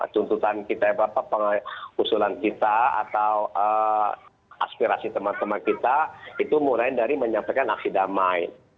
tuntutan kita usulan kita atau aspirasi teman teman kita itu mulai dari menyampaikan aksi damai